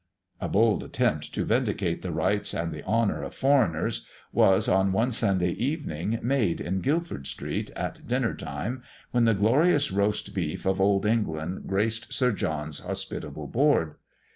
A bold attempt to vindicate the rights and the honor of foreigners was, on one Sunday evening, made in Guildford Street, at dinner time, when the glorious roast beef of Old England graced Sir John's hospitable board.